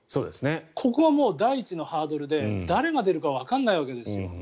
ここがもう、第１のハードルで誰が出るかわからないわけですよ。